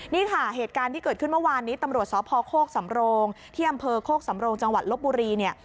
นี่ค่ะเหตุการณ์ที่เกิดขึ้นเมื่อวานนี้ตำรวจสพโคกสำโรงที่อำเภอโคกสำโรงจังหวัดลบบุรีเนี่ย